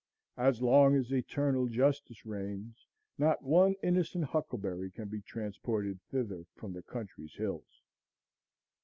As long as Eternal Justice reigns, not one innocent huckleberry can be transported thither from the country's hills.